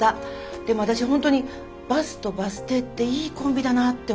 でも私本当にバスとバス停っていいコンビだなって思ってるの。